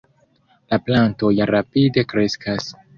La plantoj rapide kreskas.